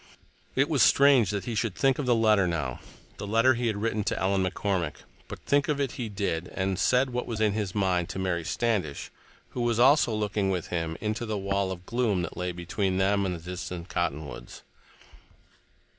It was strange that he should think of the letter now—the letter he had written to Ellen McCormick—but think of it he did, and said what was in his mind to Mary Standish, who was also looking with him into the wall of gloom that lay between them and the distant cottonwoods.